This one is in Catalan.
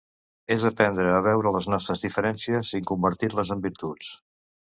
És aprendre a veure les nostres diferències i convertir-les en virtuts.